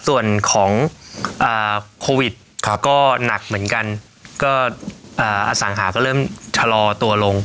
ส่วนของโควิดก็หนักเหมือนกันก็อสังหาก็เริ่มชะลอตัวลง